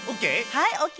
はいＯＫ！